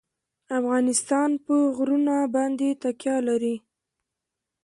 افغانستان په غرونه باندې تکیه لري.